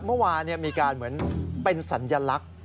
เมื่อวานมีการเหมือนเป็นสัญลักษณ์